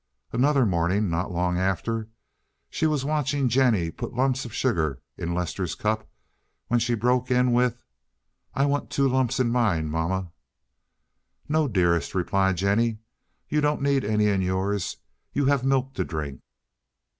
Another morning, not long after, she was watching Jennie put the lumps of sugar in Lester's cup, when she broke in with, "I want two lumps in mine, mamma." "No, dearest," replied Jennie, "you don't need any in yours. You have milk to drink."